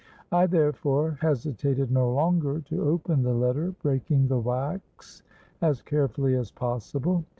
I therefore hesitated no longer to open the letter, breaking the wax as carefully as possible.